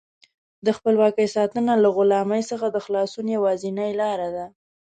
د خپلواکۍ ساتنه له غلامۍ څخه د خلاصون یوازینۍ لاره ده.